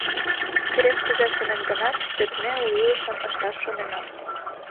Керек-кузе шонет гынат, вет ме у илышым ышташ шонена.